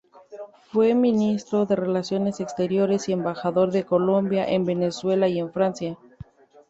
Fue Ministro de Relaciones Exteriores y embajador de Colombia en Venezuela y en Francia.